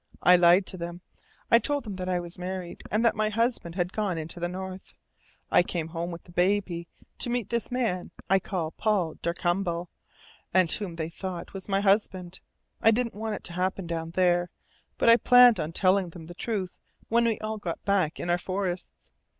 I lied to them. I told them that I was married, and that my husband had gone into the North. I came home with the baby to meet this man I called Paul Darcambal, and whom they thought was my husband. I didn't want it to happen down there, but I planned on telling them the truth when we all got back in our forests.